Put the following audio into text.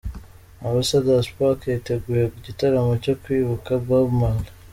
Ambassador's Park yateguye igitaramo cyo kwibuka Bob Marley.